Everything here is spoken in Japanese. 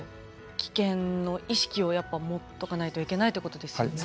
危険の意識をやっぱ持っとかないといけないってことですよね。